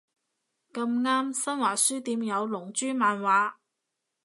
咁啱新華書店有龍珠漫畫